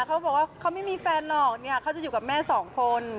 เขาบอกว่าเขาไม่มีแฟนหรอกเนี่ยเขาจะอยู่กับแม่สองคน